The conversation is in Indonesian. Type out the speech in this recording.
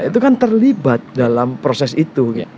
itu kan terlibat dalam proses itu